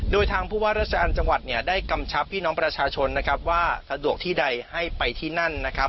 โดยทางผู้ว่าราชการจังหวัดได้กำชับพี่น้องประชาชนนะครับว่าสะดวกที่ใดให้ไปที่นั่นนะครับ